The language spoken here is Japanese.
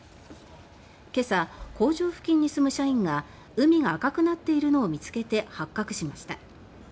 今朝工場付近に住む社員が海が赤くなっているのを見つけて、発覚しました。